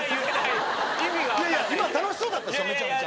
楽しそうだったでしょめちゃめちゃ。